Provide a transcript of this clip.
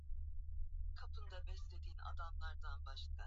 kana na mafuriko juma lililopita baada ya kutokea kimbunga cha hurricane thomas